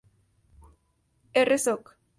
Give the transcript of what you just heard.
R. Soc.